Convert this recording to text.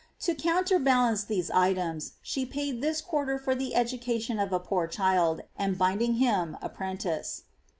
To counterLU lance these items, ahe paid this quarter for the education of a poor chill, and binding him apprentice.